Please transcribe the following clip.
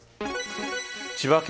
千葉県